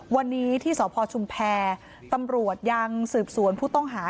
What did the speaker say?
วันนี้ที่สพชุมแพรตำรวจยังสืบสวนผู้ต้องหา